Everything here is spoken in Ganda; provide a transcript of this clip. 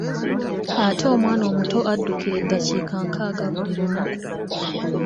Ate omwana omuto addukira eddakiika nkaaga buli lunaku.